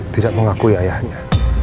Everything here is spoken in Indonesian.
tidak mengakui ayahnya